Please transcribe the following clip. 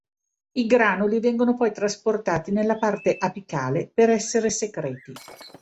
I granuli vengono poi trasportati nella parte apicale per essere secreti.